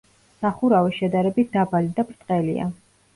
სახურავი შედარებით დაბალი და ბრტყელია.